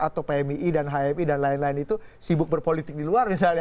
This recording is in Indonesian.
atau pmii dan hmi dan lain lain itu sibuk berpolitik di luar misalnya